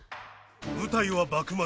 舞台は幕末。